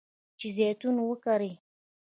چې زیتون وکري.